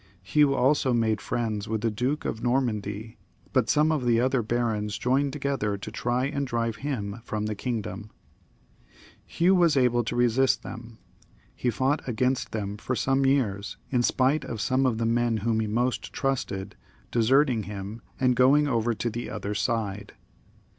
Hugh also made friends with the Duke of Normandy, but some of the other barons joined together to try and drive him from the kingdom. Hugh was aUe to resist them. He fought against them for some years, in spite of some of the men, whom he most trusted, deserting him and going over to the other side.